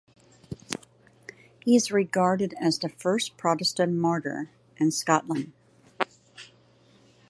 He is regarded as the first Protestant martyr in Scotland.